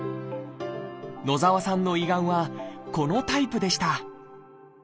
野澤さんの胃がんはこのタイプでした。